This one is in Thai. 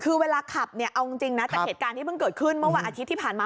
คือเวลาขับเนี่ยเอาจริงนะจากเหตุการณ์ที่เพิ่งเกิดขึ้นเมื่อวันอาทิตย์ที่ผ่านมา